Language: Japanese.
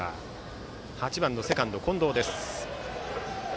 ８番セカンド、近藤です。